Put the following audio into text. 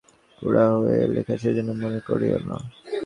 আমি কখনও কখনও তোমাদিগকে কড়া চিঠি লিখি, সেজন্য কিছু মনে করিও না।